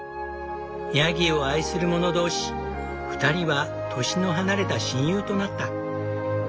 ヤギを愛する者同士２人は年の離れた親友となった。